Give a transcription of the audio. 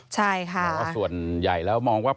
เผื่อเขายังไม่ได้งาน